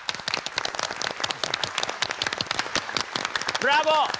ブラボー！